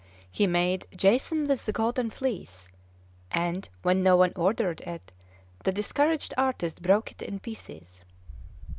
He made "Jason with the Golden Fleece," and, when no one ordered it, the discouraged artist broke it in pieces.